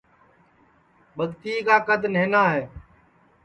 ٻگتیے کا کد نہنا ہے